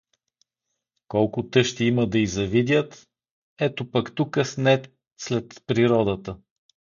Колко тъщи има да й завидят… Ето пък тука снет сред природата.